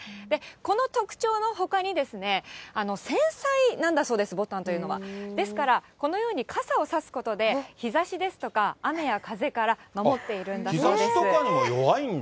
この特徴のほかにですね、繊細なんだそうです、ぼたんというのは、ですから、このように傘をさすことで日ざしですとか、雨や風から守っているんだそうです。